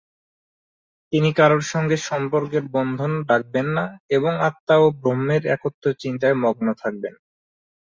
তিনি কারোর সঙ্গে সম্পর্কের বন্ধন রাখবেন না এবং আত্মা ও ব্রহ্মের একত্ব চিন্তায় মগ্ন থাকবেন।